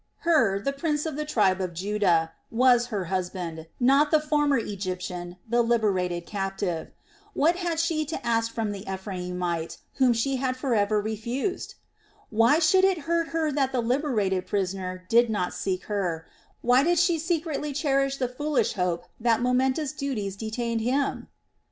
Hur, the prince of the tribe of Judah, was her husband, not the former Egyptian, the liberated captive. What had she to ask from the Ephraimite, whom she had forever refused? Why should it hurt her that the liberated prisoner did not seek her; why did she secretly cherish the foolish hope that momentous duties detained him?